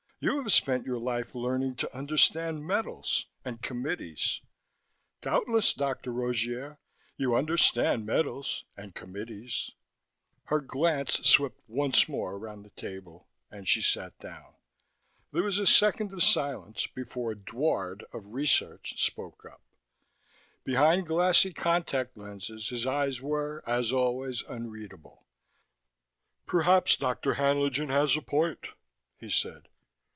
You have spent your life learning to understand metals, and committees. Doubtless, Dr. Rogier, you understand metals and committees." Her glance swept once more round the table, and she sat down. There was a second of silence before Dward, of Research, spoke up. Behind glassy contact lenses his eyes were, as always, unreadable. "Perhaps Dr. Haenlingen has a point," he said.